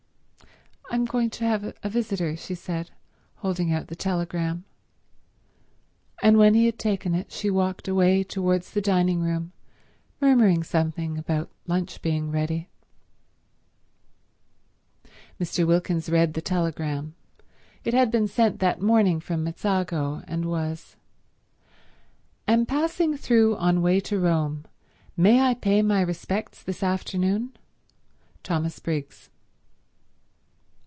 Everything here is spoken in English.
"I'm going to have a visitor," she said, holding out the telegram; and when he had taken it she walked away towards the dining room, murmuring something about lunch being ready. Mr. Wilkins read the telegram. It had been sent that morning from Mezzago, and was: Am passing through on way to Rome. May I pay my respects this afternoon? Thomas Briggs.